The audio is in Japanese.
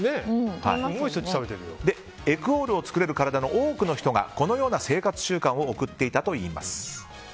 エクオールを作れる体の多くの人がこのような生活習慣を送っていたといいます。